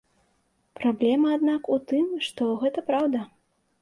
Праблема, аднак, у тым, што гэта праўда.